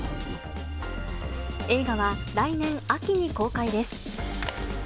映画は来年秋に公開です。